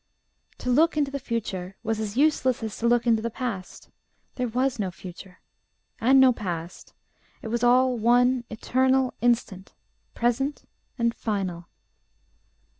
To look into the future was as useless as to look into the past. There was no future, and no past: it was all one eternal instant, present and final....